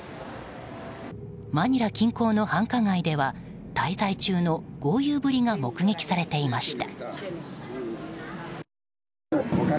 マニラ近郊の繁華街では滞在中の豪遊ぶりが目撃されていました。